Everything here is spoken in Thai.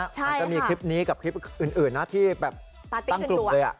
มันก็มีคลิปนี้กับคลิปอื่นนะที่แบบตั้งกลุ่มเลย